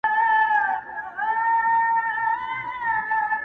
چي زه حج عمره وکړم